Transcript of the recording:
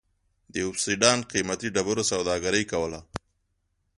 د اوبسیدیان قېمتي ډبرو سوداګري کوله.